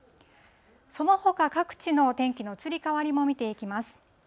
そのほか各地のお天気の移り変わりも見ていきます。